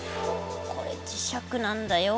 これ磁石なんだよ。